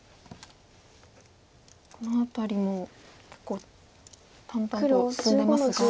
この辺りも結構淡々と進んでますが。